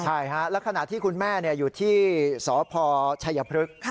ใช่แล้วขณะที่คุณแม่อยู่ที่สภชายพฤษ